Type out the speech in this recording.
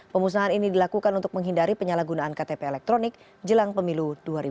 pemusnahan ini dilakukan untuk menghindari penyalahgunaan ktp elektronik jelang pemilu dua ribu sembilan belas